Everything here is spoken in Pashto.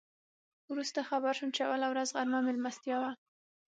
وروسته خبر شوم چې اوله ورځ غرمه میلمستیا وه.